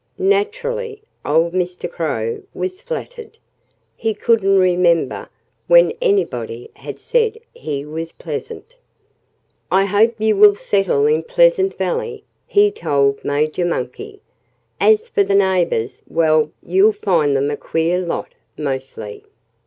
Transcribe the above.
Naturally, old Mr. Crow was flattered. He couldn't remember when anybody had said he was pleasant. "I hope you will settle in Pleasant Valley," he told Major Monkey. "As for the neighbors well, you'll find them a queer lot, mostly."